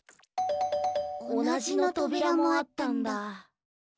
「おなじ」のとびらもあったんだ。